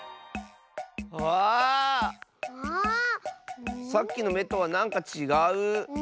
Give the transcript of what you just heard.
ああっ⁉さっきのめとはなんかちがう！